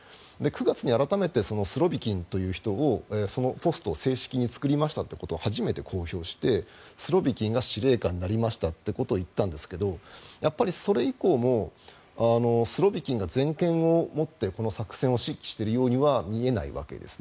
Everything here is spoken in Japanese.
９月に改めてスロビキンという人をそのポストを正式に作りましたということを公表してスロビキンが総司令官になりましたということを言ったんですけどやっぱりそれ以降もスロビキンが全権を持ってこの作戦を指揮しているようには見えないわけです。